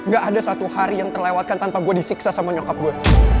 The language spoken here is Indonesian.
gak ada satu hari yang terlewatkan tanpa gue disiksa sama nyokap gue